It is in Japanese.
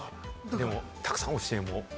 でもたくさん教えも？